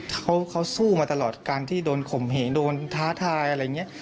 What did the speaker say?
เขาสู้มาตลอดการที่โดนข่มเหงโดนท้าทายอะไรอย่างนี้